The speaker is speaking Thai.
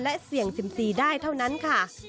และเสี่ยงสิ่มศรีได้เท่านั้นค่ะ